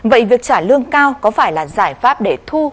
vậy việc trả lương cao có phải là giải pháp để thu hút nhân tài